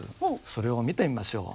それを見てみましょう。